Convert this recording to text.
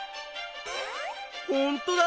ほんとだ。